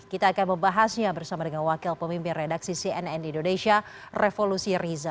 kita akan membahasnya bersama dengan wakil pemimpin redaksi cnn indonesia revolusi riza